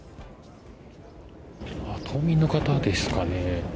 島民の方ですかね。